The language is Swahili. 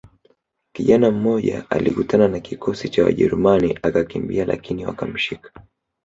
Kijana mmoja alikutana na kikosi cha wajerumani akakimbia lakini wakamshika